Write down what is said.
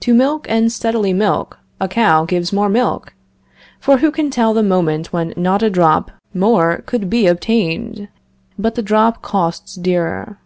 To milk and steadily milk, a cow gives more milk; for who can tell the moment when not a drop more can be obtained? But the drop costs dear.